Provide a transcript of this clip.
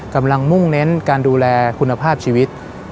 มุ่งเน้นการดูแลคุณภาพชีวิต